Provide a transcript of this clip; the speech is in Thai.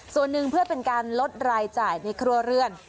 ส่วนหนึ่งเพื่อเป็นการลดรายจ่ายในครัวเรือน